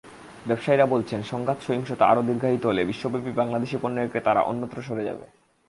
ব্যবসায়ীরা বলছেন, সংঘাত-সহিংসতা আরও দীর্ঘায়িত হলে বিশ্বব্যাপী বাংলাদেশি পণ্যের ক্রেতারা অন্যত্র সরে যাবে।